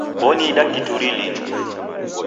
Oniida kituri linu.